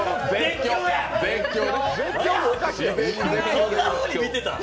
そんなふうに見てたん？